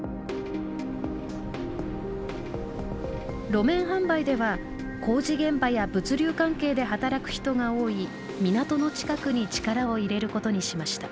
路面販売では工事現場や物流関係で働く人が多い港の近くに力を入れることにしました。